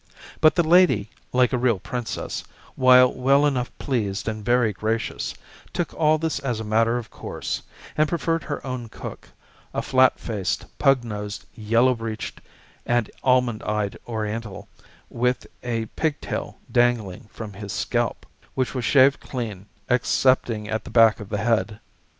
But the lady, like a real princess, while well enough pleased and very gracious, took all this as a matter of course, and preferred her own cook, a flat faced, pug nosed, yellow breeched and almond eyed Oriental, with a pigtail dangling from his scalp, which was shaved clean, excepting at the back of the head.